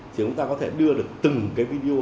chúng ta có thể đưa được từng video